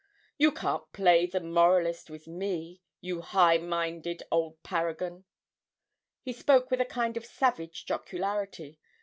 You can't play the moralist with me, you high minded old paragon!' He spoke with a kind of savage jocularity.